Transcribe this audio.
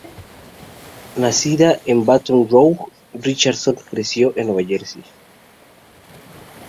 Nacida en Baton Rouge, Richardson creció en Nueva Jersey.